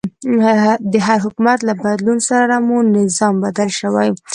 د هر حکومت له بدلون سره مو نظام بدل شوی.